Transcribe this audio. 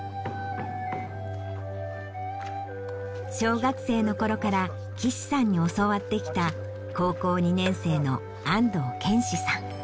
小学生のころから貴志さんに教わってきた高校２年生の安藤絢士さん。